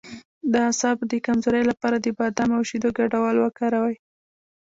د اعصابو د کمزوری لپاره د بادام او شیدو ګډول وکاروئ